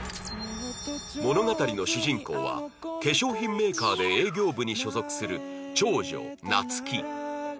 物語の主人公は化粧品メーカーで営業部に所属する長女夏希